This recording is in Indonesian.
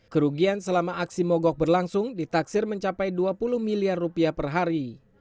kerugian selama aksi mogok berlangsung ditaksir mencapai dua puluh miliar rupiah per hari